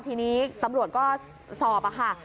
ทีนี้ตำรวจก็สอบค่ะ